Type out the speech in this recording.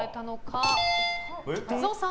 松尾さん。